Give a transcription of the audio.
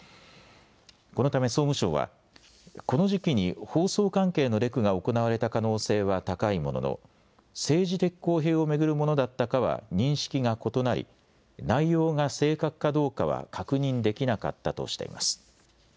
このため総務省はこの時期に放送関係のレクが行われた可能性は高いものの政治的公平を巡るものだったかは認識が異なり内容が正確かどうかは確認できなかったとしています。